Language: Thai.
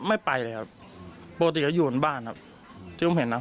ไม่ไปเลยครับปกติเขาอยู่ในบ้านครับที่ผมเห็นครับ